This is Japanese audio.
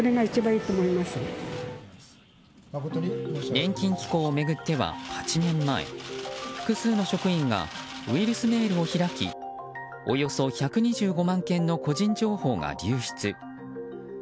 年金機構を巡っては８年前複数の職員がウイルスメールを開きおよそ１２５万件の個人情報が流出。